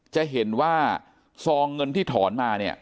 จะเห็นว่าทรงเงินที่ถอนมา